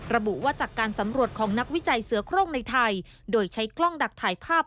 ระบุว่าจากการสำรวจของนักวิจัยเสือโครงในไทยโดยใช้กล้องดักถ่ายภาพ